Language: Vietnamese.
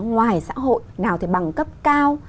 ngoài xã hội nào thì bằng cấp cao